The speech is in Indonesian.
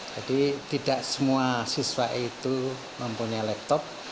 jadi tidak semua siswa itu bisa menggunakan laptop